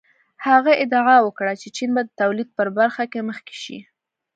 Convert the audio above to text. هغه ادعا وکړه چې چین به د تولید په برخه کې مخکې شي.